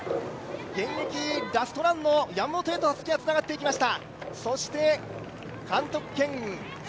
現役ラストランの山本へとたすきがつながっていきました。